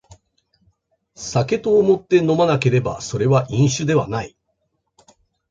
酒と思って飲まなければそれは飲酒ではない